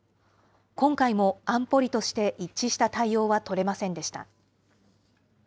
今回も安保理として一致した対応は取れませんでした。